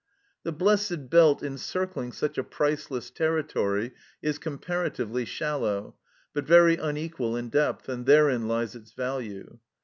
The blessed belt encircling such a priceless terri tory is comparatively shallow, but very unequal in depth, and therein lies its value.